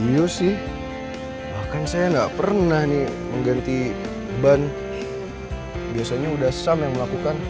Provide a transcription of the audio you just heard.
muse sih bahkan saya nggak pernah nih mengganti ban biasanya udah sam yang melakukan